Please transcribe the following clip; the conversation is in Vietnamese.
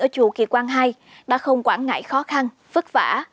ở chùa kỳ quan hai đã không quản ngại khó khăn vất vả